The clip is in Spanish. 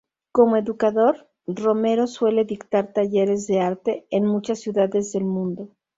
Como educador, Romero suele dictar talleres de arte en muchas ciudades del mundo.